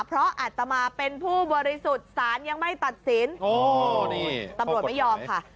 เพราะอัตมาเป็นผู้บริสุทธิ์สารยังไม่ตัดสินตำรวจไม่ยอมค่ะ